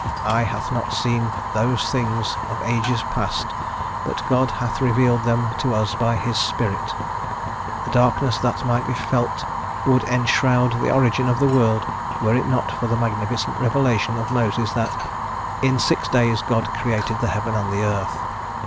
Eye hath not seen those things of ages past, but God hath revealed them to us by His Spirit. A darkness that might be felt would enshroud the origin of the world were it not for the magnificent revelation of Moses, that "in six days God created the heaven and the earth."